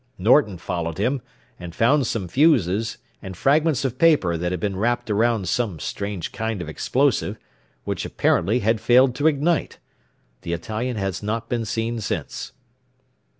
Norton followed him, and found some fuses, and fragments of paper that had been wrapped about some strange kind of explosive, which apparently had failed to ignite. The Italian has not been seen since."